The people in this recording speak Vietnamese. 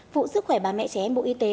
vụ sức khỏe bà mẹ trẻ bộ y tế